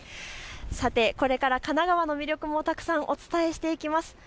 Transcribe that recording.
さて、これから神奈川の魅力もたくさんお伝えしていきます。